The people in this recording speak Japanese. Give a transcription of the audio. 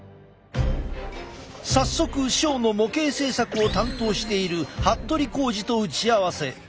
早速ショーの模型製作を担当している服部弘弐と打ち合わせ。